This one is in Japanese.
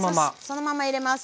そのまま入れます。